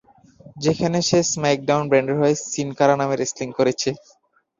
যেখানে সে স্ম্যাকডাউন ব্র্যান্ডের হয়ে সিন কারা নামে রেসলিং করছে।